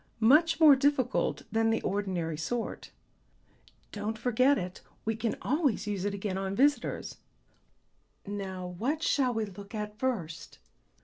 "Much more difficult than the ordinary sort." "Don't forget it; we can always use it again on visitors. Now what shall we look at first?"